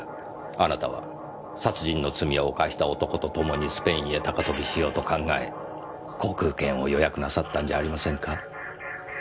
あなたは殺人の罪を犯した男とともにスペインへ高飛びしようと考え航空券を予約なさったんじゃありませんか？